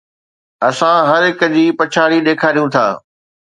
اسان هر هڪ جي پڇاڙي ڏيکاريون ٿا